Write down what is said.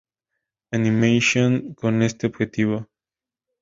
Animation" con este objetivo.